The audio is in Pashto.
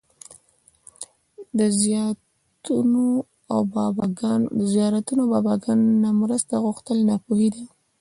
د زيارتونو او باباګانو نه مرسته غوښتل ناپوهي ده